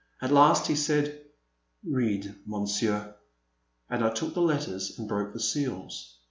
At last he said, Read, Monsieur," and I took the letters and broke the seals.